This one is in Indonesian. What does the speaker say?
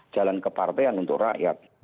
jalan kepartean untuk rakyat